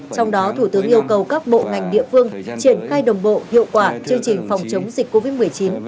trong đó thủ tướng yêu cầu các bộ ngành địa phương triển khai đồng bộ hiệu quả chương trình phòng chống dịch covid một mươi chín